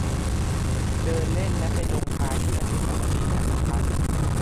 เดินเล่นและไปลงท้ายที่อนุสาวรีย์จักรพรรดิ์